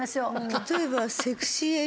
例えば。